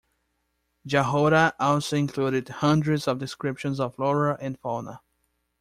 Jahoda also included hundreds of descriptions of flora and fauna.